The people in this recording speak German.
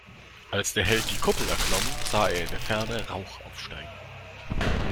Als der Held die Kuppel erklomm, sah er in der Ferne Rauch aufsteigen.